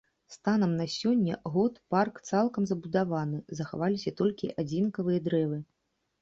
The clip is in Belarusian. Станам на сёння год парк цалкам забудаваны, захаваліся толькі адзінкавыя дрэвы.